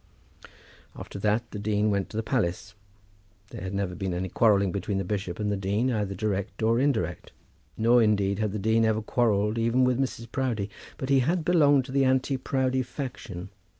After that, the dean went to the palace. There had never been any quarrelling between the bishop and the dean, either direct or indirect; nor, indeed, had the dean ever quarrelled even with Mrs. Proudie. But he had belonged to the anti Proudie faction.